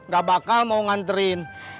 gak bakal mau nganterin